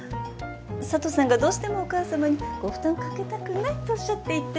佐都さんがどうしてもお母さまにご負担をかけたくないとおっしゃっていて